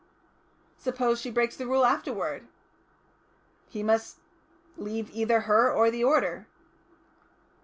"Suppose she breaks the Rule afterwards?" "He must leave either her or the order."